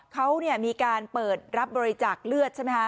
เขาเนี่ยมีการเปิดรับบริจักษ์เลือดใช่ไหมฮะ